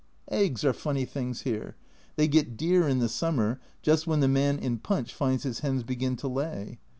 Eggs are funny things here ; they get dear in the summer, just when the man in Punch finds his hens begin to lay.